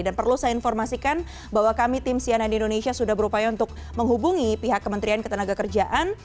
dan perlu saya informasikan bahwa kami tim cna di indonesia sudah berupaya untuk menghubungi pihak kementerian ketenagakerjaan